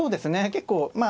結構まあ